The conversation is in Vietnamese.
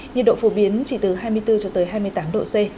nhiệt độ phổ biến chỉ từ hai mươi bốn cho tới hai mươi tám độ c